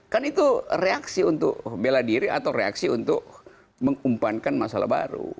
kan itu reaksi untuk bela diri atau reaksi untuk mengumpankan masalah baru